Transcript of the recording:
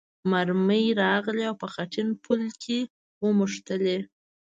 مرمۍ راغلې او په خټین پل کې ونښتلې.